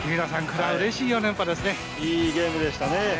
いいゲームでしたね。